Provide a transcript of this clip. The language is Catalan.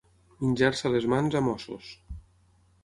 Menjar-se les mans a mossos.